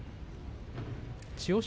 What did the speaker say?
千代翔